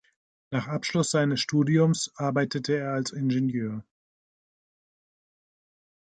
Nach Abschluss seines Studiums arbeitete er als Ingenieur.